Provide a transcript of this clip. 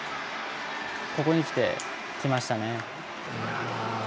ここにきて、きましたね。